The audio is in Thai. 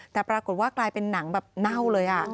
แต่ปรากฏว่ากลายเป็นหนังแบบเน่าเลย